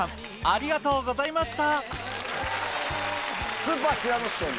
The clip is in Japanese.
ありがとうございます！